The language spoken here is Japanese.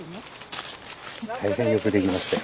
大変よくできましたよ。